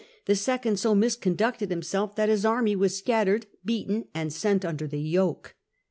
The second so misconducted himself that his army was scattered, beaten, and sent under the yoke.